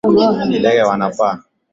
Ndege wanapaa.